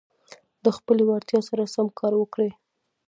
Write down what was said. د خپلي وړتیا سره سم کار وکړئ.